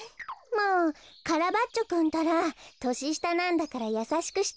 もうカラバッチョくんったら。とししたなんだからやさしくしてあげなきゃ。